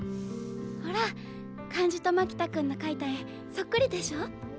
ほら漢字と牧田君の描いた絵そっくりでしょ？